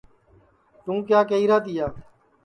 توں کیا کئیرا تیا